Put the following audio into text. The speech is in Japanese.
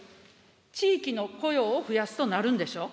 地域の雇用を増やすとなるんでしょ。